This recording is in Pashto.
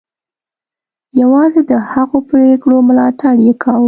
یوازې د هغو پرېکړو ملاتړ یې کاوه.